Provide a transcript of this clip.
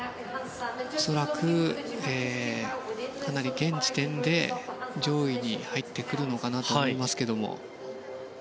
恐らく、かなり現時点で上位に入ってくるかなと思います。